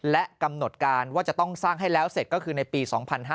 และกำหนดการว่าจะต้องสร้างให้แล้วเสร็จก็คือในปี๒๕๕๙